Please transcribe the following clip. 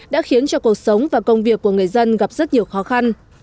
đã khiến cho cuộc sống và công việc của người dân gặp rất nhiều khó khăn